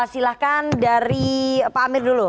silahkan dari pak amir dulu